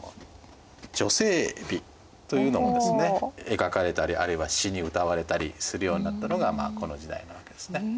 描かれたりあるいは詩にうたわれたりするようになったのがこの時代なわけですね。